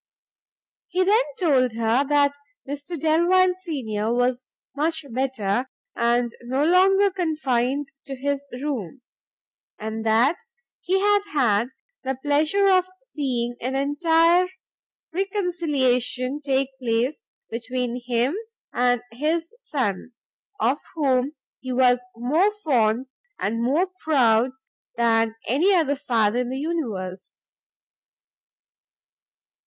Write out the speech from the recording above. He then told her that Mr Delvile senior was much better, and no longer confined to his room: and that he had had the pleasure of seeing an entire reconciliation take place between him and his son, of whom he was more fond and more proud than any other father in the universe.